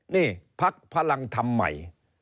นี่พักพลังธรรมใหม่